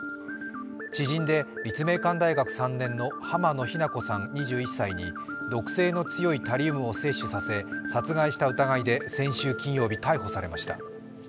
知人で立命館大学３年の濱野日菜子さん２１歳に毒性の強いタリウムを摂取させ殺害した疑いで先週金曜日、逮捕されました。